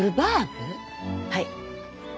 はい。